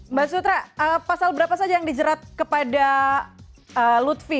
mbak sutra pasal berapa saja yang dijerat kepada lutfi